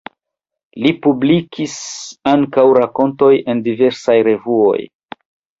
Li publikis ankaŭ rakontojn en diversaj revuoj.